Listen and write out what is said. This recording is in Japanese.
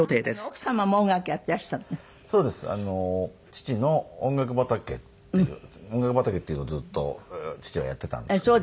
父の『音楽畑』って『音楽畑』っていうのをずっと父はやってたんですけど。